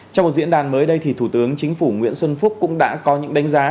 trong một diễn đàn mới đây thì thủ tướng chính phủ nguyễn xuân phúc cũng đã có những đánh giá